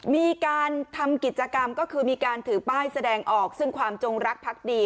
มีการทำกิจกรรมก็คือมีการถือป้ายแสดงออกซึ่งความจงรักพักดี